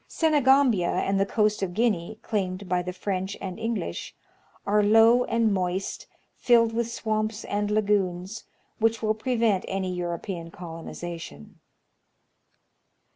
Senegambia and the coast of Guinea, claimed by the French and English, are low and moist, filled with swamps and lagoons, which will pre vent any European colonization.